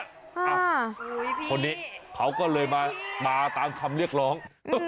คนนี้เขาก็เลยมาตามคำเรียกร้อง